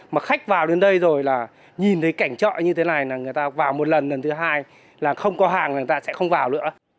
mà khách vào đến đây rồi là nhìn thấy cảnh chợ như thế này là người ta vào một lần lần thứ hai là không có hàng người ta sẽ không vào nữa